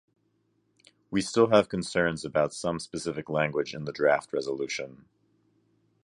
We still have concerns about some specific language in the draft resolution.